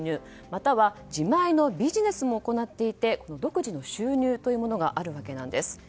または自前のビジネスも行っていて独自の収入というのがあるわけです。